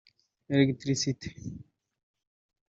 Electricité